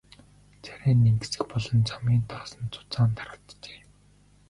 Царай нь энгэсэг болон замын тоосонд зузаан дарагджээ.